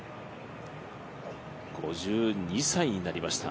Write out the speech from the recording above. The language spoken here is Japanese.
５２歳になりました。